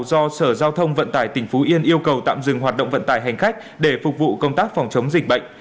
do sở giao thông vận tải tỉnh phú yên yêu cầu tạm dừng hoạt động vận tải hành khách để phục vụ công tác phòng chống dịch bệnh